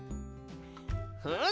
ふん！